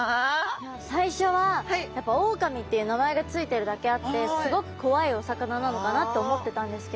いや最初はやっぱオオカミっていう名前が付いてるだけあってすごく怖いお魚なのかなって思ってたんですけど